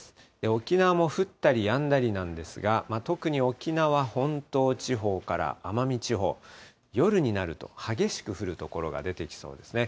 沖縄も降ったりやんだりなんですが、特に沖縄本島地方から奄美地方、夜になると激しく降る所が出てきそうですね。